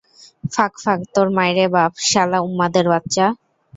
ফাক, ফাক তোর মাইরে বাপ, শালা উম্মাদের বাচ্চা!